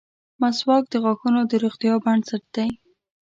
• مسواک د غاښونو د روغتیا بنسټ دی.